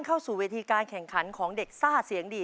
เข้าสู่เวทีการแข่งขันของเด็กซ่าเสียงดี